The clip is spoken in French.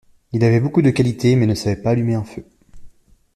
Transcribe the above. Il avait beaucoup de qualités mais ne savait pas allumer un feu.